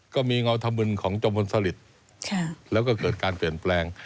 เงาธมึนของจมพลสลิตแล้วก็เกิดการเปลี่ยนแปลง